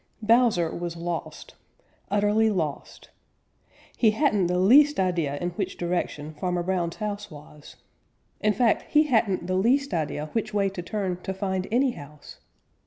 _ Bowser was lost, utterly lost. He hadn't the least idea in which direction Farmer Brown's house was. In fact he hadn't the least idea which way to turn to find any house.